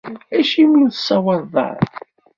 Acimi ur tsawaleḍ ara?